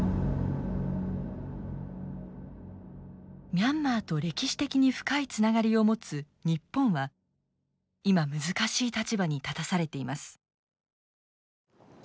ミャンマーと歴史的に深いつながりを持つ日本は今難しい立場に立たされています。